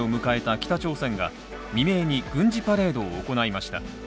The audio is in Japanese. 北朝鮮が未明に軍事パレードを行いました